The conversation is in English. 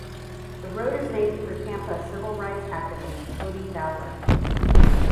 The road is named for Tampa civil rights activist Cody Fowler.